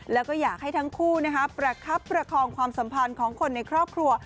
แล้วก็อยากให้ทั้งคู่ประคับประคองความสัมพันธ์ของคนในครอบครัว